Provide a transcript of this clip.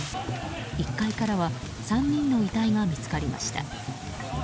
１階からは３人の遺体が見つかりました。